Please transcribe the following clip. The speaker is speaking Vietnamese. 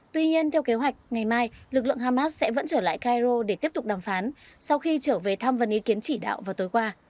tuy nhiên theo kế hoạch ngày mai lực lượng hamas sẽ vẫn trở lại cairo để tiếp tục đàm phán sau khi trở về thăm vấn ý kiến chỉ đạo vào tối qua